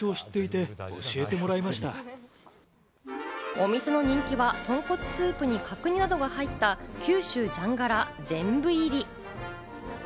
お店の人気は、とんこつスープに角煮などが入った九州じゃんがら全部入り。